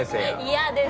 嫌です。